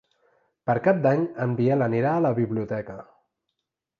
Per Cap d'Any en Biel anirà a la biblioteca.